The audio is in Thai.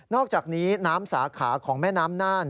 อกจากนี้น้ำสาขาของแม่น้ำน่าน